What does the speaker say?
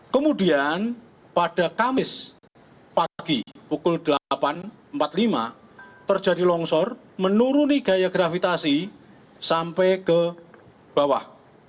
kemudian pada kamis pagi pukul delapan empat puluh lima terjadi longsor menuruni gaya gravitasi sampai ke bawah